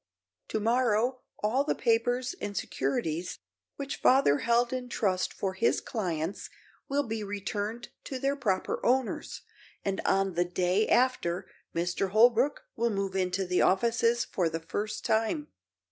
To morrow all the papers and securities which father held in trust for his clients will be returned to their proper owners, and on the day after Mr. Holbrook will move into the offices for the first time.